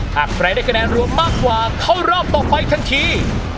หากใครได้คะแนนรวมมากกว่าเข้ารอบต่อไปทันที